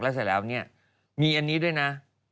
แล้วเสร็จแล้วเนี่ยมีอันนี้ด้วยนะ